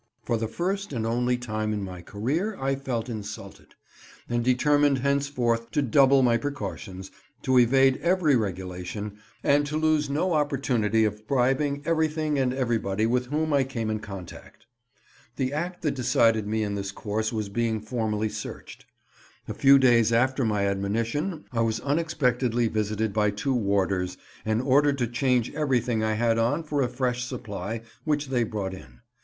For the first and only time in my career I felt insulted, and determined henceforth to double my precautions, to evade every regulation, and to lose no opportunity of bribing everything and everybody with whom I came in contact. The act that decided me in this course was being formally searched. A few days after my admonition I was unexpectedly visited by two warders, and ordered to change everything I had on for a fresh supply, which they brought in.